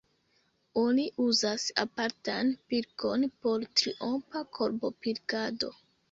Oni uzas apartan pilkon por triopa korbopilkado.